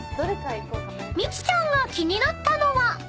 ［ミチちゃんが気になったのは］